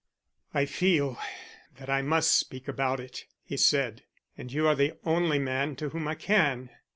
"I feel that I must speak about it," he said. "And you are the only man to whom I can.